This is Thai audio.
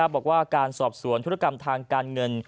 บอกว่าการสอบสวนธุรกรรมทางการเงิน